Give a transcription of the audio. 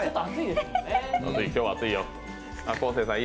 今日は暑いよ。